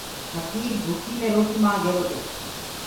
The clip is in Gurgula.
ڦڪير ڀوڪي مي روٽيٚ مآنگ رهيرو تو۔